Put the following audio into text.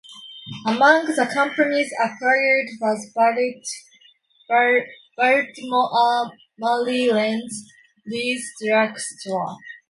Among the companies acquired was Baltimore, Maryland's Read's Drug Store.